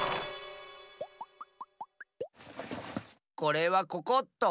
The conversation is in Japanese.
これはここっと。